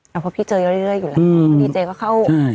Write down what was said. เพราะพี่เจออยู่แล้วเรื่อยอยู่แล้ว